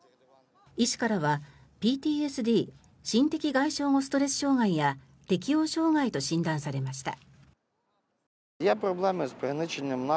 医師からはＰＴＳＤ・心的外傷後ストレス障害や適応障害と診断されました。